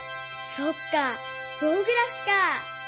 そっかぼうグラフか。